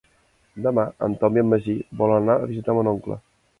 Demà en Tom i en Magí volen anar a visitar mon oncle.